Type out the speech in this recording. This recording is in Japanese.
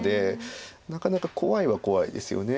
なかなか怖いは怖いですよね。